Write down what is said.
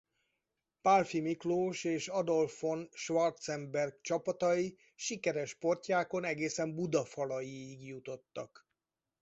Pálffy Miklós és Adolf von Schwarzenberg csapatai sikeres portyákon egészen Buda falaiig jutottak.